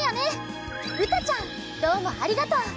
うたちゃんどうもありがとう！